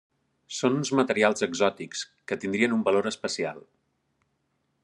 Són uns materials exòtics que tindrien un valor especial.